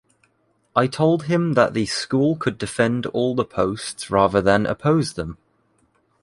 I told him that the school could defend all the posts rather than oppose them.